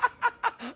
ハハハ！